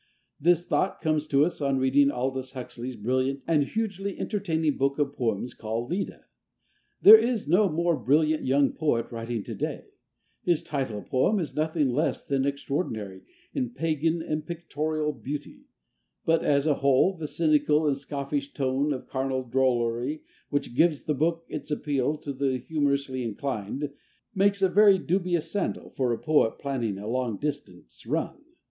This thought comes to us on reading Aldous Huxley's brilliant and hugely entertaining book of poems called "Leda." There is no more brilliant young poet writing to day; his title poem is nothing less than extraordinary in pagan and pictorial beauty, but as a whole the cynical and scoffish tone of carnal drollery which gives the book its appeal to the humorously inclined makes a very dubious sandal for a poet planning a long distance run.